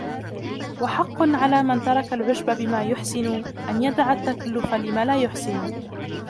وَحَقٌّ عَلَى مَنْ تَرَكَ الْعُجْبَ بِمَا يُحْسِنُ أَنْ يَدَعَ التَّكَلُّفَ لِمَا لَا يُحْسِنُ